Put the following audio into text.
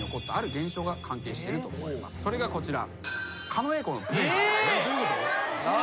それがこちら。